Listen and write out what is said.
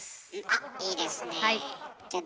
あっいいですねえ。